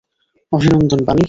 অভিনন্দন, বানি।